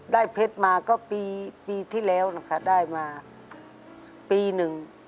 เพชรมาก็ปีที่แล้วนะคะได้มาปีหนึ่ง